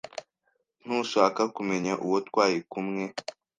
Ntushaka kumenya uwo twari kumwe?